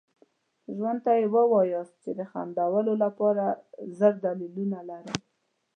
ژوند ته یې وښایاست چې د خندلو لپاره زر دلیلونه لرئ.